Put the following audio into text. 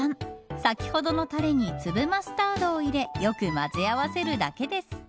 先ほどのたれに粒マスタードを入れよく混ぜ合わせるだけです。